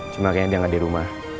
cuma kayaknya dia gak ada di rumah